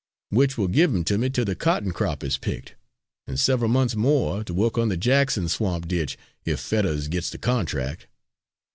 "Which will give 'im to me till the cotton crop is picked, and several months more to work on the Jackson Swamp ditch if Fetters gits the contract.